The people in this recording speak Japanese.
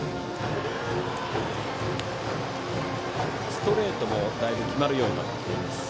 ストレートもだいぶ決まるようになってきています。